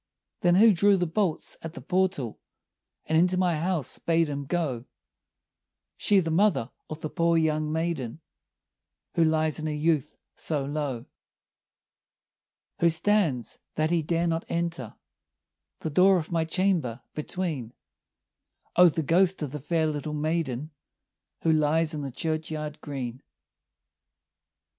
"Then who drew the bolts at the portal, And into my house bade him go?" "She, the mother of the poor young maiden, Who lies in her youth so low." "Who stands, that he dare not enter, The door of my chamber, between?" "O, the ghost of the fair little maiden, Who lies in the churchyard green."